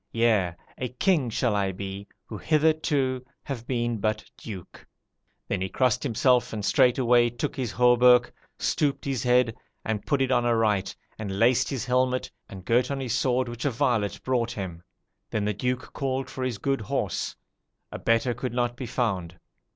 Yea, a king shall I be, who hitherto have been but duke.' Then he crossed himself and straightway took his hauberk, stooped his head, and put it on aright, and laced his helmet, and girt on his sword, which a varlet brought him. Then the Duke called for his good horse a better could not be found.